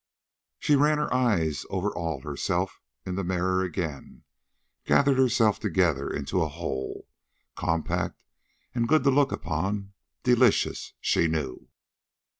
She ran her eyes over all herself in the mirror again, gathered herself together into a whole, compact and good to look upon delicious, she knew.